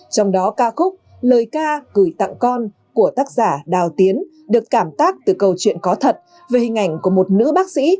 trong đó ca khúc lời ca gửi tặng con của tác giả đào tiến được cảm tác từ câu chuyện có thật về hình ảnh của một nữ bác sĩ